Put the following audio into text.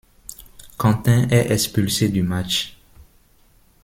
Quentin est expulsé du match.